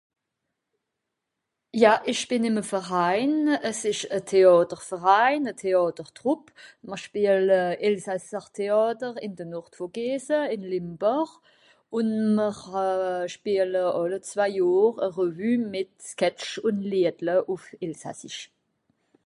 Ja, ìch bìn im e Verein. Es ìsch e Theàterverein, e Theàter-Trupp. Mr spiele Elsassertheàter ìn de Nordvogese, ìn Lembàch, un mr spiele àlle zwei Johr e Revue mìt Sketch ùn Liedle ùff Elsassisch